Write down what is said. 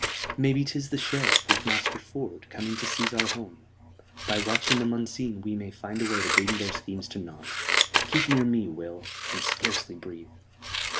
"Maybe 'tis the Sheriff, with Master Ford, coming to seize our home. By watching them unseen we may find a way to bring their schemes to naught. Keep near to me, Will; and scarcely breathe."